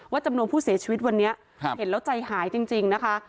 จำนวนผู้เสียชีวิตวันนี้เห็นแล้วใจหายจริงนะคะ